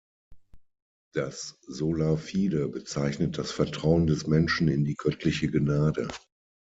Das „sola fide“ bezeichnet das Vertrauen des Menschen in die göttliche Gnade.